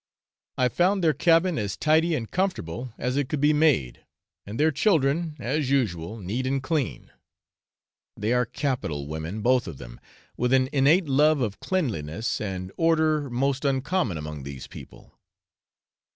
I found their cabin as tidy and comfortable as it could be made, and their children, as usual, neat and clean; they are capital women, both of them, with an innate love of cleanliness and order most uncommon among these people.